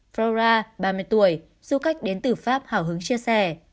frora ba mươi tuổi du khách đến từ pháp hào hứng chia sẻ